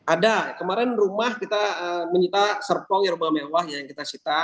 ada kemarin rumah kita menyita serpong herba mewah yang kita cita